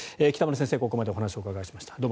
北村先生、ここまでお話をお伺いしました。